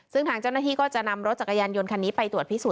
ซึ่งทางเจ้าหน้าที่ก็จะนำรถจักรยานยนต์คันนี้ไปตรวจพิสูจ